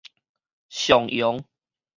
松陽